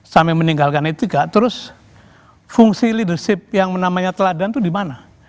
sampai meninggalkan etika terus fungsi leadership yang namanya teladan itu di mana